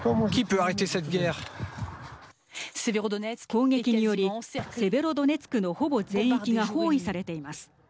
攻撃によりセベロドネツクのほぼ全域が包囲されています。